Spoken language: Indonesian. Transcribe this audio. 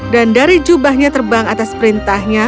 dan dari jubahnya terbang atas perintahnya